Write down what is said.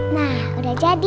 nah udah jadi